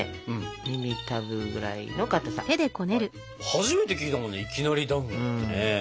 初めて聞いたもんね「いきなりだんご」ってね。